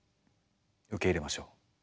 受け入れましょう。